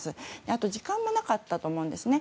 あと時間もなかったと思うんですね。